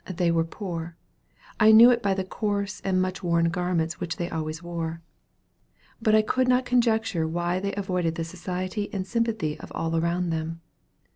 They were poor. I knew it by the coarse and much worn garments which they always wore; but I could not conjecture why they avoided the society and sympathy of all around them.